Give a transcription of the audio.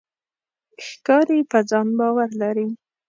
ښکاري په ځان باور لري.